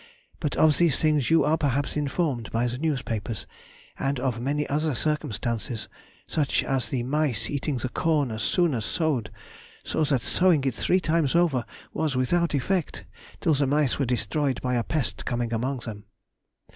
But of these things you are perhaps informed by the newspapers, and of many other circumstances; such as the mice eating the corn as soon as sowed, so that sowing it three times over was without effect, till the mice were destroyed by a pest coming among them.